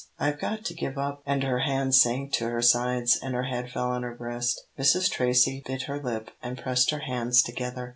I've got to give up," and her hands sank to her sides, and her head fell on her breast. Mrs. Tracy bit her lip, and pressed her hands together.